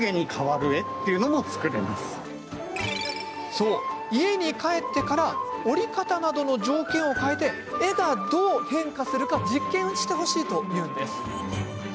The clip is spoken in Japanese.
そう、家に帰ってから折り方などの条件を変えて絵がどう変化するか実験してほしいというんです。